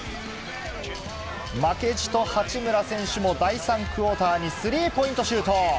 負けじと八村選手も第３クオーターにスリーポイントシュート。